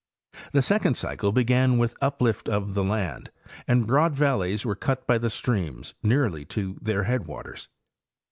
The second cycle began with uplift of the land, and broad valleys were cut by the streams nearly to their headwaters.